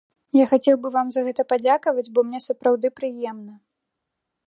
Я хацеў бы вам за гэта падзякаваць, бо мне сапраўды прыемна.